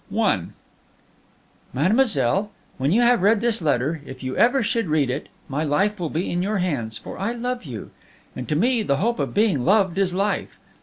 I "Mademoiselle, when you have read this letter, if you ever should read it, my life will be in your hands, for I love you; and to me, the hope of being loved is life.